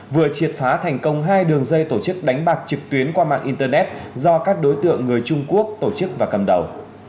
vừa triệt phá thành công hai đường dây tổ chức đánh bạc trực tuyến qua mạng internet do các đối tượng người trung quốc tổ chức và cầm đầu